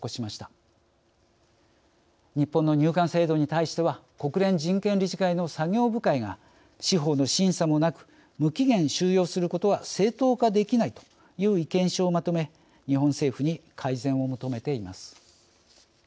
日本の入管制度に対しては国連人権理事会の作業部会が司法の審査もなく無期限収容することは正当化できないという意見書をまとめ日本政府に改善を求めています。